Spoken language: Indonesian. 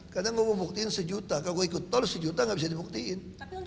karena aku mau buktiin sejuta kalau ikut tol sejuta gak bisa dibuktiin